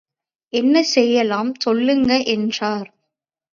என்னசெய்யலாம், சொல்லுங்க என்றார்.